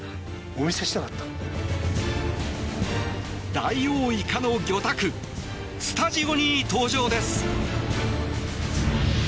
ダイオウイカの魚拓スタジオに登場です。